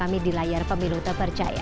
kami di layar pemilu terpercaya